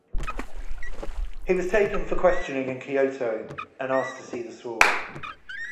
He was taken for questioning in Kyoto and asked to see the sword.